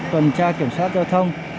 kiểm tra kiểm soát giao thông